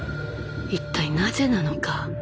一体なぜなのか。